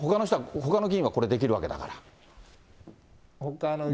ほかの議員はこれ、できるわけだから。